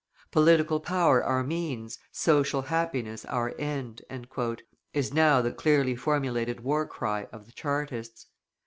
"Political power our means, social happiness our end," is now the clearly formulated war cry of the Chartists.